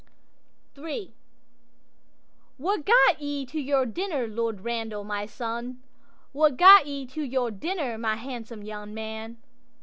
'III'What gat ye to your dinner, Lord Randal, my son? What gat ye to your dinner, my handsome young man?